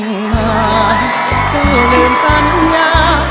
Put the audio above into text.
ร้องมาจะลืมสัญญา